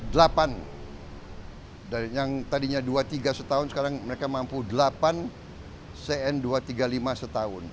dari yang tadinya dua tiga setahun sekarang mereka mampu delapan cn dua ratus tiga puluh lima setahun